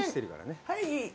はい。